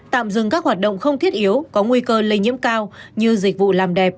tạm dừng các hoạt động không thiết yếu có nguy cơ lây nhiễm cao như dịch vụ làm đẹp